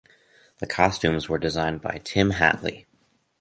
The Costumes were designed by Tim Hatley.